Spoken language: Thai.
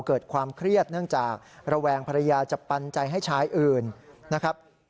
เกิดความเครียดเนื่องจากระแวงภรรยาจะปันใจให้ชายอื่นนะครับ